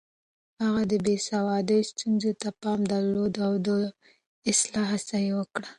هغه د بې سوادۍ ستونزو ته پام درلود او د اصلاح هڅه يې وکړه.